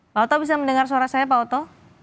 pak oto bisa mendengar suara saya pak oto